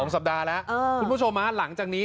สัปดาห์แล้วคุณผู้ชมหลังจากนี้